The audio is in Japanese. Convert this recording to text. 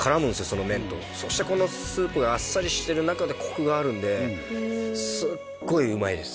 その麺とそしてこのスープがあっさりしてる中でコクがあるんですっごいうまいです